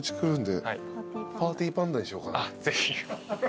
ぜひ。